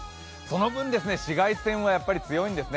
その分、紫外線はやはり強いんですね。